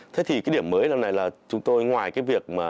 thế thì cái điểm mới lần này là chúng tôi ngoài cái việc mà